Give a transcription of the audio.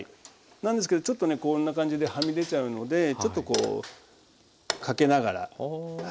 なんですけどちょっとねこんな感じではみ出ちゃうのでちょっとこうかけながら。